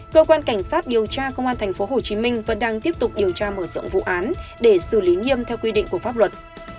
cơ quan cảnh sát điều tra công an tp hcm vẫn đang tiếp tục điều tra mở rộng vụ án để xử lý nghiêm theo quy định của pháp luật